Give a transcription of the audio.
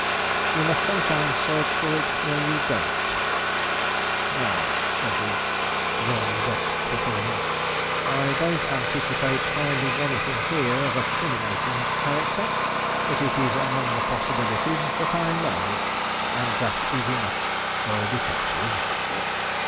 You must sometimes search for it where you don't. Now," said he, drawing the desk before him, "I don't anticipate finding anything here of a criminating character; but it is among the possibilities that I may; and that is enough for a detective."